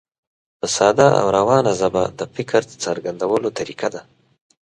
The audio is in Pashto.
په ساده او روانه ژبه د فکر څرګندولو طریقه ده.